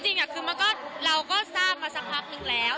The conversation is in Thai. จริงคือเราก็ทราบมาสักพักนึงแล้ว